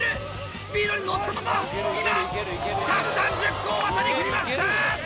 スピードに乗ったまま今１３０個を渡り切りました！